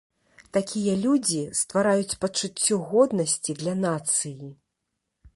Такія людзі ствараюць пачуццё годнасці для нацыі.